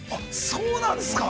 ◆そうなんですか。